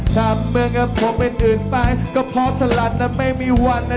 ทำเรื่องกับผมเป็นอื่นไปก็พอบสลัดแต่ไม่มีวันนะ